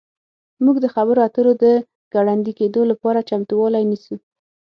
موږ د خبرو اترو د ګړندي کیدو لپاره چمتووالی نیسو